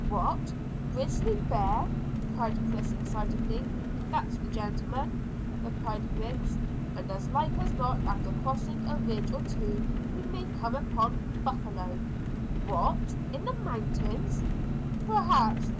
"What, grizzly bear?" cried Chris excitedly. "That's the gentleman," replied Griggs; "and as like as not after crossing a ridge or two we may come upon buffalo." "What, in the mountains?" "Perhaps.